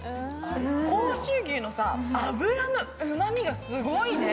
甲州牛の脂のうまみがすごいね。